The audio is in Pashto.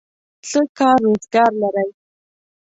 څه کار روزګار لرئ؟